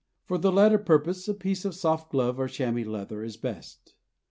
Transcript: For the latter purpose a piece of soft glove or chamois leather is best.